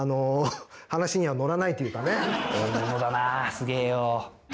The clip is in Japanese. すげえよ。